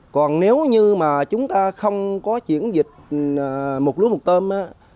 còn nếu như mà chúng ta không có chuyển dịch một lúa một tôm